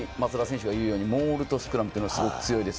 モールとスクラムがすごく強いです。